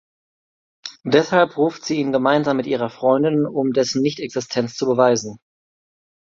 Deshalb ruft sie ihn gemeinsam mit ihrer Freundin, um dessen Nicht-Existenz zu beweisen.